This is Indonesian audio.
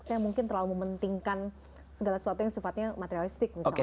saya mungkin terlalu mementingkan segala sesuatu yang materialistik